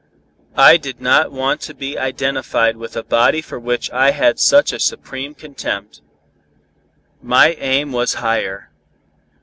I did not want to be identified with a body for which I had such a supreme contempt. My aim was higher.